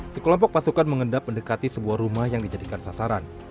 sekelompok pasukan mengendap mendekati sebuah rumah yang dijadikan sasaran